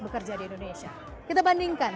bekerja di indonesia kita bandingkan